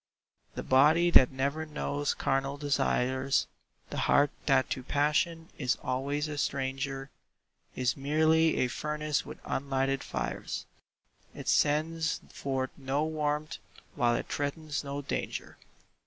The body that never knows carnal desires, The heart that to passion is always a stranger, Is merely a furnace with unlighted fires; It sends forth no warmth while it threatens no danger.